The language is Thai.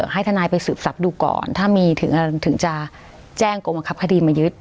ให้ทนายไปสืบทรัพย์ดูก่อนถ้ามีถึงจะแจ้งกรมบังคับคดีมายึด